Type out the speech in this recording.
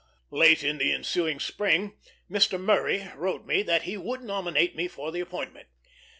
Late in the ensuing spring Mr. Murray wrote me that he would nominate me for the appointment.